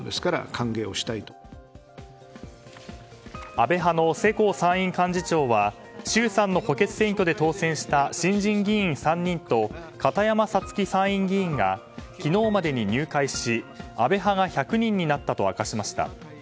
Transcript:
安倍派の世耕参院幹事長は衆参の補欠選挙で当選した新人議員３人と片山さつき参院議員が昨日までに入会し安倍派が１００人になったと明かしました。